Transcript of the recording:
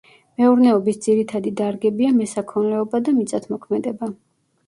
მეურნეობის ძირითადი დარგებია მესაქონლეობა და მიწათმოქმედება.